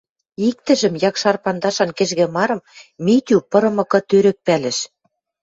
Иктӹжӹм, якшар пандашан кӹжгӹ марым, Митю, пырымыкы, тӧрӧк пӓлӹш.